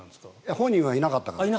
本人はいなかったから。